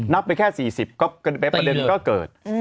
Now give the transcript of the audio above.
ไปแค่๔๐ก็ประเด็นก็เกิด